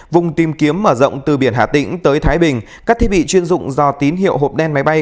vùng tìm kiếm mở rộng từ biển hà tĩnh tới thái bình các thiết bị chuyên dụng do tín hiệu hộp đen máy bay